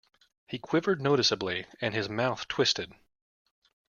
He quivered noticeably, and his mouth twisted.